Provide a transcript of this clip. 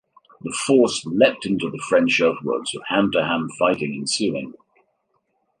The force leapt into the French earthworks, with hand-to-hand fighting ensuing.